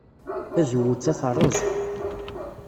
Tazewwut-a terreẓ.